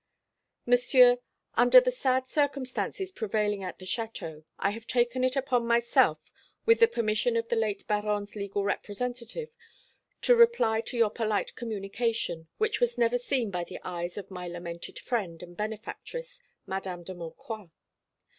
"Monsieur, Under the sad circumstances prevailing at the château, I have taken it upon myself, with the permission of the late Baronne's legal representative, to reply to your polite communication, which was never seen by the eyes of my lamented friend and benefactress, Madame de Maucroix.